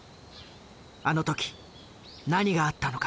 あの時何があったのか。